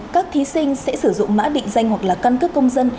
các thí sinh sẽ sử dụng mã định danh hoặc là căn cước công dân